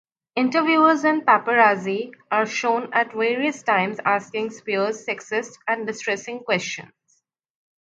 Interviewers and paparazzi are shown at various times asking Spears sexist and distressing questions.